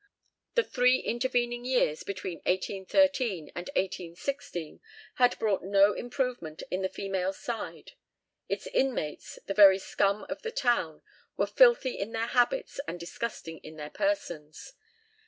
The three intervening years between 1813 and 1816 had brought no improvement in the female side. Its inmates the very scum of the town were filthy in their habits and disgusting in their persons.